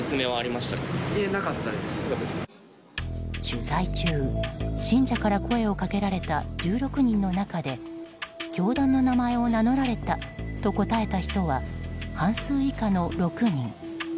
取材中、信者から声をかけられた１６人の中で教団の名前を名乗られたと答えた人は半数以下の６人。